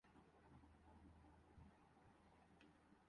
جب دل چاھے گا ، ٹنٹوا دبا دے گا